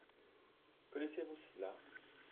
Connaissez-vous cela ?